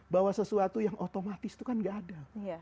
bahwa sesuatu yang otomatis itu kan gak ada